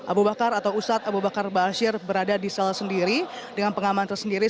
abu bakar atau ustadz abu bakar ba'asyir berada di sel sendiri dengan pengaman tersendiri